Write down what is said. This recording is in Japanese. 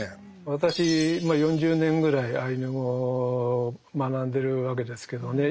私まあ４０年ぐらいアイヌ語を学んでるわけですけどね